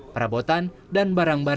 perabotan dan barang